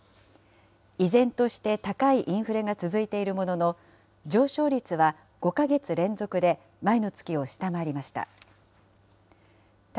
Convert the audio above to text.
依然として高いインフレが続いているものの、上昇率は５か月連続で前の月を下回りました。